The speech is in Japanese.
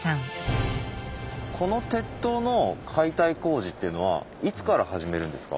この鉄塔の解体工事っていうのはいつから始めるんですか？